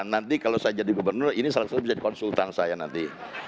nanti kalau saya jadi gubernur ini salah satu jadi konsultan saya nanti